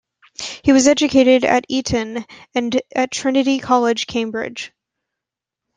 He was educated at Eton and at Trinity College, Cambridge.